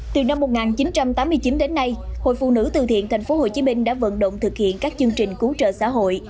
từ năm một nghìn chín trăm tám mươi chín đến nay hội phụ nữ từ thiện tp hcm đã vận động thực hiện các chương trình cứu trợ xã hội